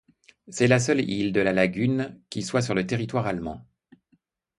C'est la seule île de la lagune qui soit sur le territoire allemand.